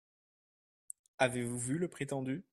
Avez-vous vu le prétendu ?